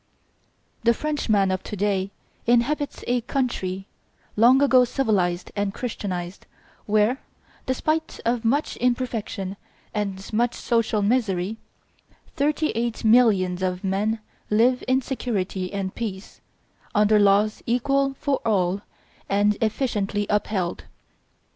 The Frenchman of to day inhabits a country, long ago civilized and Christianized, where, despite of much imperfection and much social misery, thirty eight millions of men live in security and peace, under laws equal for all and efficiently upheld.